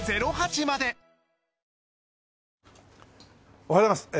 おはようございます。